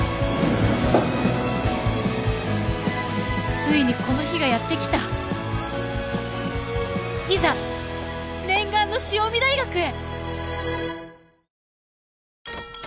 ついにこの日がやってきたいざ念願の潮海大学へ！